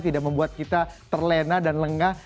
tidak membuat kita terlena dan lengah